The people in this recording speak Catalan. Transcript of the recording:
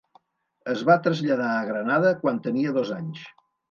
Es va traslladar a Granada quan tenia dos anys.